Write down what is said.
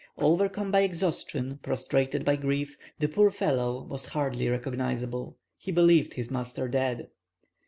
Overcome by exhaustion, prostrated by grief, the poor fellow was hardly recognizable. He believed his master dead.